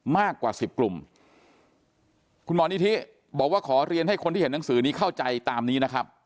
มากกว่าสิบกลุ่มคุณหมอนิธิบอกว่าขอเรียนให้คนที่เห็นหนังสือนี้เข้าใจตามนี้นะครับ